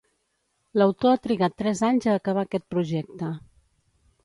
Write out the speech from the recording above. L'autor ha trigat tres anys a acabar aquest projecte.